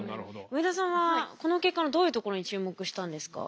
上田さんはこの結果のどういうところに注目したんですか？